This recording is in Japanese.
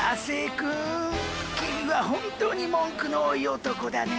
君は本当に文句の多い男だね。